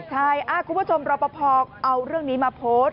ใช่คุณผู้ชมรอปภเอาเรื่องนี้มาโพสต์